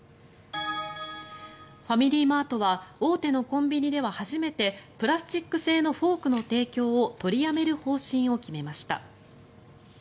ファミリーマートは大手のコンビニでは初めてプラスチック製のフォークの提供を取りやめる方針を決めました。